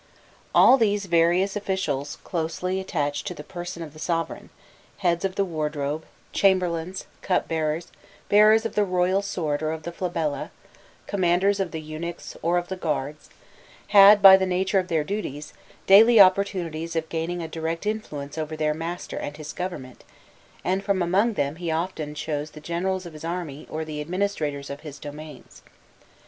All these various officials closely attached to the person of the sovereign heads of the wardrobe, chamberlains, cupbearers, bearers of the royal sword or of the flabella, commanders of the eunuchs or of the guards had, by the nature of their duties, daily opportunities of gaining a direct influence over their master and his government, and from among them he often chose the generals of his army or the administrators of his domains.